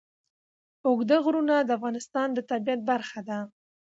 اوږده غرونه د افغانستان د طبیعت برخه ده.